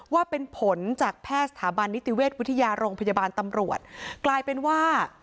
ว่าเป็นผลจากแพทย์สถาบันนิติเวชวิทยาโรงพยาบาลตำรวจกลายเป็นว่า